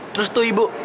terus tuh ibu